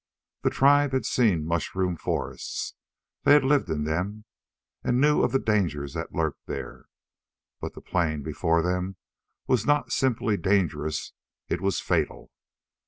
The tribe had seen mushroom forests they had lived in them and knew of the dangers that lurked there. But the plain before them was not simply dangerous; it was fatal.